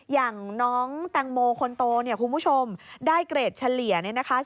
อย่างน้องแตงโมคนโตคุณผู้ชมได้เกรดเฉลี่ย๔๐๐